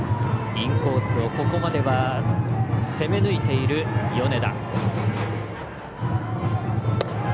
インコースをここまでは攻め抜いている米田。